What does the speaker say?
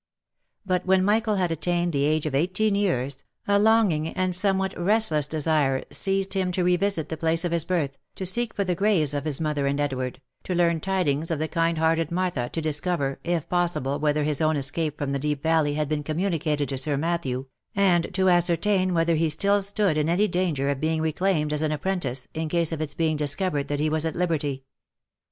But when Michael had attained the age of eighteen years, a longing, and somewhat restless desire seized him to revisit the place of his birth, to seek for the graves of his mother and Edward, to learn tidings of the kind hearted Martha, to discover, if possible, whether his own escape from the Deep Valley had been communicated to Sir Matthew, and to ascertain whether he still stood in any danger of being reclaimed as an appren tice, in case of its being discovered that he was at liberty.